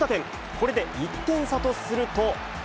これで１点差とすると。